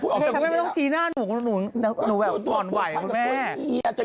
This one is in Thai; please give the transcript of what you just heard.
ใส่เล่าสิเมื่อเธอมีเล่นไหวมา